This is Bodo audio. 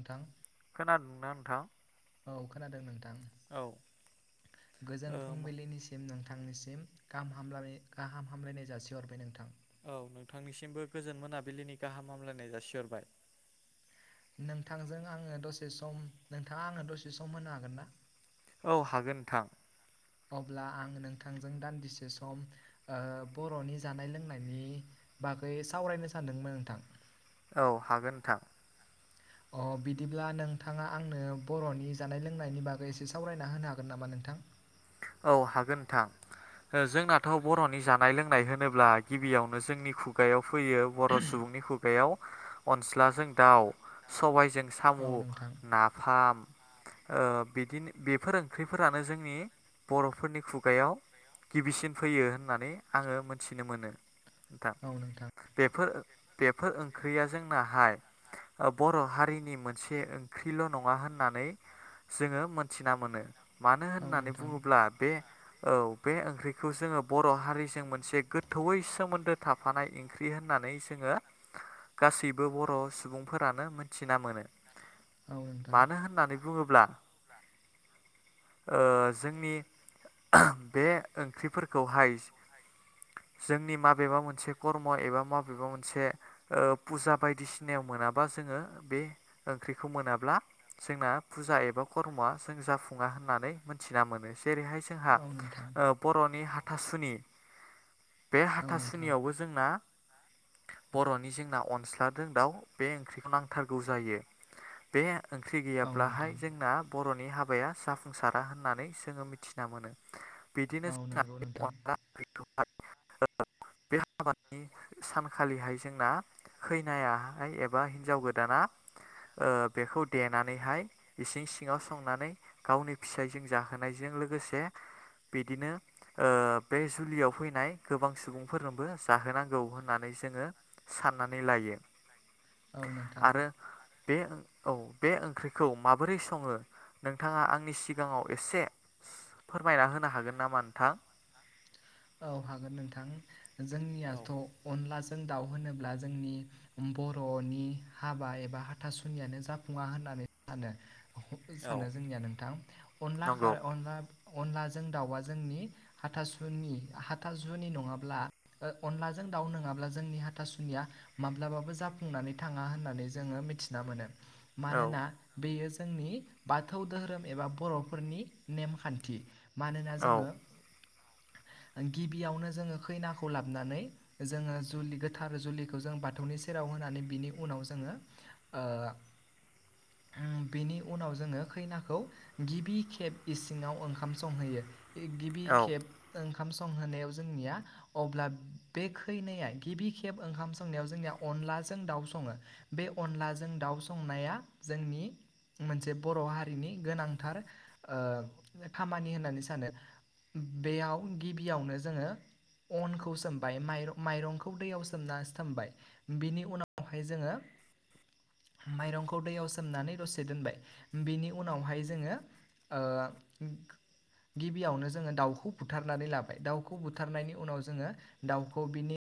नोंथां खोनादोंना नोंथां? औ खोनादों नोंथां औ गोजोन ओ फुंबिलिनिसिम नों नोंथांनिसिम गाहाम हामबलायनाय गाहाम हामलायनाय जासिहरबाय नोंथां। औ नोंथांनिसिमबो गोजोन मोनाबिलिनि गाहामलायनाय जासिहरबाय। नोंथांजों आङो दसे सम नोंथाङा आङो दसे सम होनो हागोन ना? औ हागोन नोंथां। अब्ला आं नोंथांजों दान्दिसे सम ओ बर'नि जानाय लोंनायनि बागै सावरायनो सानदोंमोन नोंथां। औ हागोन नोंथां। अ बिदिब्ला नोंथाङा आंनो बर'नि जानाय लोंनायनि बागै एसे सावरायना होनो हागोन नामा नों थां औ हागोन नोंथां जोंना गोाथाव बर'नि जानाय लोंनाय होनोब्ला गिबियावनो जोंनि खुगायाव फैयो बर' सुबुंनि खुगायाव अनस्लाजों दाउ सबायजों साम' औ नोंथां नाफाम बिदिनो बेफोर ओंख्रिफोरानो जोंनि बर'फोरनि खुगायाव गिबिसिन फैयो होननानै आङो मोनथिनो मोनो नथां औ नोंथां बेफोर बेफोर ओंख्रियाजों नाहाय बर' हारिनि मोनसे ओंख्रिल' नङा होननानै जोङो मोनथिना मोनो मानो औ होननानै नोंथां बुङोब्ला बे औ बे ओंख्रिखौ जोङो बर' हारिजों मोनसे गोथौयै सोमोन्दो थाफानाय ओंख्रि होननानै होननानै जोङो गासैबो बर' सुबुंफोरानो मोनथि मोन औ नोंथां मानो होननानै बुङोब्ला ओ जोंनि बे ओंख्रिफोरखौहाय जोंनि माब माबेबा मोनसे कर्म एबा माबेबा मोनसे ओ फुजा बायदिसिनायाव मोनाबा जोङो बे ओंख्रिखौ मोनाब्ला जोंना फुजा एबा खर्मआ जों जाफुङा होननानै मोनथिना मोनो जेरैहाय जोंहा औ नोंथां ओ बरनि हाथासुनि बे औ नोंथां हाथासुनियावबो जोंना बरनि जोंना अनस्लादों दाउ बे ओंख्रिखौ नांथारगौ जायो बे ओंख्रि औ गैयाब्लाहाय नोंथां जोंना बरनि हाब बाया जाफुंसारा होननानै जोङो मिथिना मोनो औ नंगौ नोंथां बिदिनो [unintelligible] बे हाबानि सानखालिहाय जोंना खैनायाहाय एबा हिनजाव गोदाना ओ बेखौ देनानैहाय इसिं सिङाव संनानै गावनि फिसायजों जाहोनायजों लोगोसे बिदिनो ओ बे जुलियाव फै नाय गोबां सुबुंफोरनोबो जाहोनां गौ होननानै जोङो साननानै लायो औ नोंथां आरो बे औ बे ओंख्रिखौ माबोरै सङो नोंथाङा आंनि सिगाङाव एसे फोरमायना होनो हागोन नामा नोंथां? औ हागोन नोंथां औ जोंनियाथ अनलाज जों दाउ होनोब्ला जोंनि बरनि हाबा एबा हाथासुनियानो जाफुङा होनना सानो औ सानो जोंनिया नोंथां अनला खा नंगौ अनला अनलाजों दाउआ जोंनि हाथासुनिनि हाथासुनि नङाब्ला अनलाजों दाउ नङाब्ला जोंनि हाथासुनिया माब्लाबाबो जा फुंनानै होननानै थाङहोननानै जोङो मिथिना औ मोनोना बेयो जो जोंनि बाथौ धोरोम एबा बरफोरनि नेमखान्थि मानोना औ जोङो गिबियावनो जोङो खैनाखौ लाबनानै जोङो जुलि गोथार जुलिखौ जों बाथौनि सेराव नानै बिनि उनाव जोङो बेनि उनाव जोङो खैनाखौ गिबि खेब इसिङाव ओंखाम संहैयो गिबि औ खेब ओं खाम संहोनायाव जोंनिया अब्ला बे खैनाया गिबि खेब ओंखाम संनायाव जोंनिया अ अनदलाजों दाउ सङो बे अनलाजों दाउ संनाया जोंनि मोनसे बर हारिनि गोनांथार ओ खामानि होननानै सानो बेयाव गिबियावनो जोङो अनखौ सोमबाय माइरं माइरंखौ दैयाव सोमना सोमबाय बिनि उनावहाय जोङो माइरंखौ दैयाव सोमनानै दसे दोनबाय बेनि उनावहाय जोङो ओ गिबियावनो जोङो दाउखौ बुथारनानै लाबाय दाउखौ बुथारनायनि उनाव जोङो दाउखौ बिनि